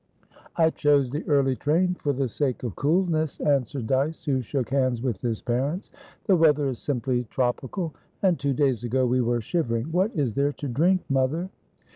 "I chose the early train for the sake of coolness," answered Dyce, who shook hands with his parents. "The weather is simply tropical. And two days ago we were shivering. What is there to drink, mother?"